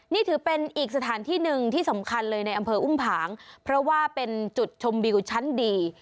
นี่ถือเป็นอีกสถานที่หนึ่งที่สำคัญเลยในอำเภออุ้มผางเพราะว่าเป็นจุดชมวิวชั้นดี